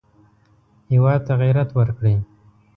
هېواد ته غیرت ورکړئ